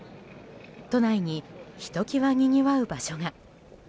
都内にひときわにぎわう場所が。